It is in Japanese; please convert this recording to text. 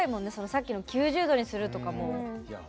さっきの９０度にするとかも。